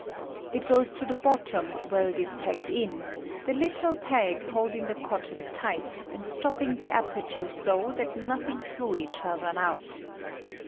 It goes to the bottom, where it is pegged in ; the httle peg holding the cot ton tight, and stopping the aperture so that nothing fluid shall run oat.